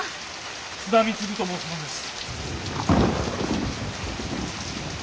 ・津田貢と申す者です。